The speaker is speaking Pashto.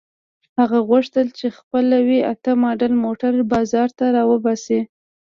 هغه غوښتل خپل وي اته ماډل موټر بازار ته را وباسي.